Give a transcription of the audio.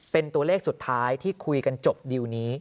เป็นตัวเลขสุดท้ายที่คุยกันจบดิวนี้